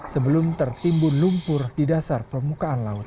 sebelum tertimbun lumpur di dasar permukaan laut